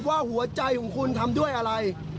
ว่าหัวใจของคุณทำด้วยอะไร